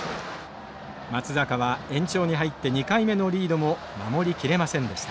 松坂は延長に入って２回目のリードも守りきれませんでした。